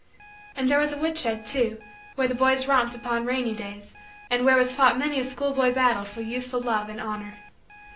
And there was a woodshed, too, where the boys romped upon rainy days and where was fought many a schoolboy battle for youthful love and honor.